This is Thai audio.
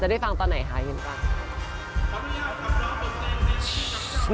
ได้ฟังตอนไหนคะเห็นฟัง